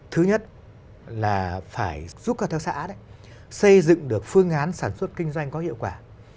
thứ nhất là phải giúp các hợp tác xã xây dựng được phương án sản xuất kinh doanh có hiệu quả